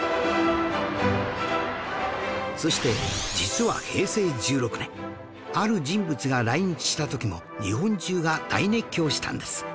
そして実は平成１６年ある人物が来日した時も日本中が大熱狂したんです